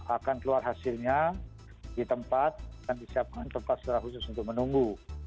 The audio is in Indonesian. akan keluar hasilnya di tempat dan disiapkan tempat secara khusus untuk menunggu